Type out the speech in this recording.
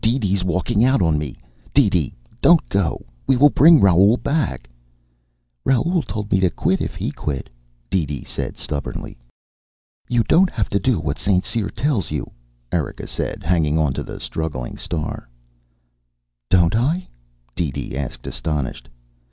DeeDee's walking out on me. DeeDee, don't go. We will bring Raoul back " "Raoul told me to quit if he quit," DeeDee said stubbornly. "You don't have to do what St. Cyr tells you," Erika said, hanging onto the struggling star. "Don't I?" DeeDee asked, astonished.